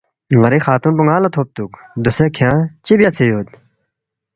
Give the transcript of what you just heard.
ن٘ری خاتون پو ن٘ا لہ تھوبتُوک، ”دوسے کھیانگ چِہ بیاسے یود؟“